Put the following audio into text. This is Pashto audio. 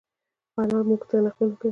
انا مونږ ته نقلونه کوی